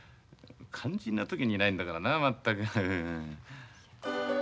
肝心な時にいないんだからなまったく。